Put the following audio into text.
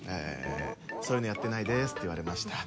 「そういうのやってないです」って言われました。